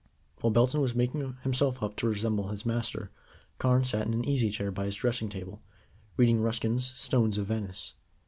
While Belton was making himself up to resemble his master, Carne sat in an easy chair by his dressing table, reading Ruskin's Stones of Venice.